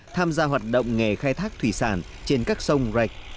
tham gia hoạt động nghề khai thác thủy sản trên các sông rạch